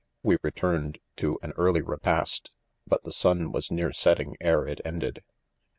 — We returned to an early repast, but the sun was near setting ere it ended.